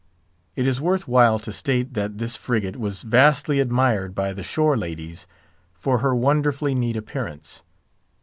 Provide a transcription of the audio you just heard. It is worth while to state that this frigate was vastly admired by the shore ladies for her wonderfully neat appearance.